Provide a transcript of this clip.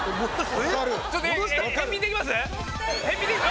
ちょっと返品できます？